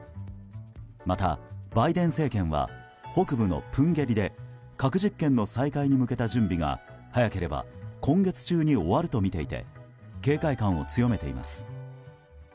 またバイデン政権は北部のプンゲリで核実験の再開に向けた準備が早ければ今月中に終わるとみていて警戒感を強めています。